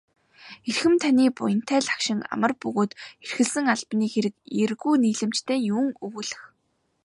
Эрхэм таны буянтай лагшин амар бөгөөд эрхэлсэн албаны хэрэг эергүү нийлэмжтэй юун өгүүлэх.